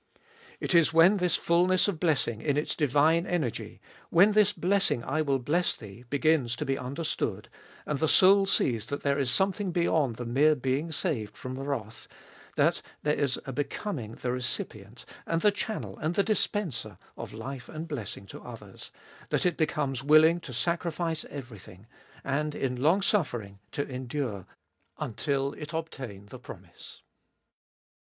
It is when this fulness of blessing in its divine energy, when this blessing I will bless thee begins to be understood, and the soul sees that there is something beyond the mere being saved from wrath, that there is a becoming the recipient, and the channel, and the dispenser, of life and blessing to others, that it becomes willing to sacrifice everything, and in longsuffering to endure until it obtain the promise.